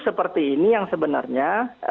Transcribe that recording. seperti ini yang sebenarnya